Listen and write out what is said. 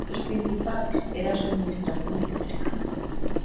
Un dos principais era a subministración eléctrica.